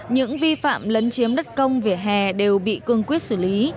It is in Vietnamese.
những vi phạm lấn chiếm đất công vỉa hè đều bị cương quyết xử lý